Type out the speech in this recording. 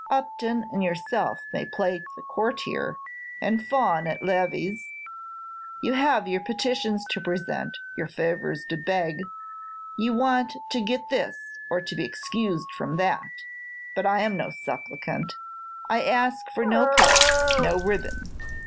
_ Upton and yourself may play the courtier, and fawn at levées; you have your petitions to present, your favors to beg for; you want to get this, or be excused from that: but I am no supplicant; I ask for no place, no ribbon.